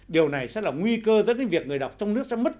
điều này sẽ là nguy cơ dẫn đến việc người đọc trong nước sẽ mất dần cơ hội